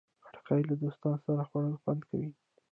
خټکی له دوستانو سره خوړل خوند کوي.